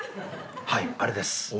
はいあれです。